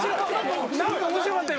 何か面白かった今。